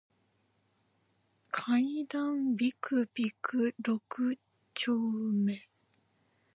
階段ビクビク六丁目